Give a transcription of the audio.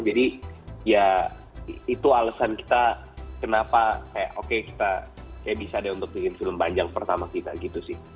jadi ya itu alasan kita kenapa kayak oke kita kayak bisa deh untuk bikin film panjang pertama kita gitu sih